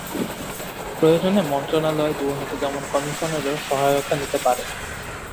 প্রয়োজনে মন্ত্রণালয় দুর্নীতি দমন কমিশনেরও সহায়তা নিতে পারে।